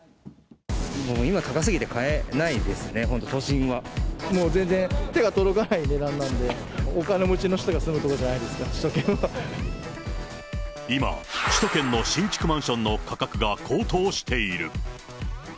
今、もう全然手が届かない値段なんで、お金持ちの人が住む所じゃないですか、今、首都圏の新築マンションの価格が高騰している。